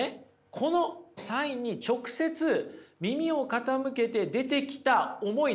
このサインに直接耳を傾けて出てきた思いなんですよ。